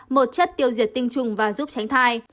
một chất tiêu diệt tinh trùng và giúp tránh thai